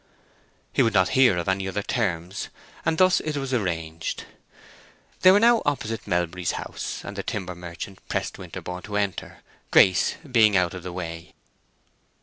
He would not hear of any other terms, and thus it was arranged. They were now opposite Melbury's house, and the timber merchant pressed Winterborne to enter, Grace being out of the way.